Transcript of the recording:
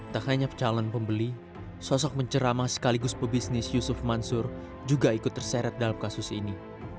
tak hanya calon pembeli sosok mencerama sekaligus pebisnis yusuf mansur juga ikut terseret dalam kasus ini